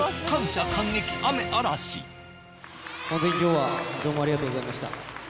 ホントに今日はどうもありがとうございました。